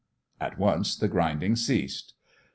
" At once the grinding ceased.